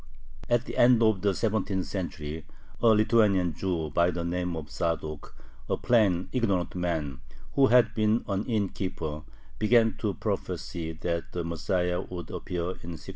At the end of the seventeenth century, a Lithuanian Jew by the name of Zadok, a plain, ignorant man, who had been an innkeeper, began to prophesy that the Messiah would appear in 1695.